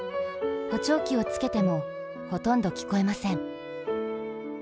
補聴器をつけても、ほとんど聞こえません。